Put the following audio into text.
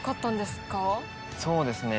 そうですね。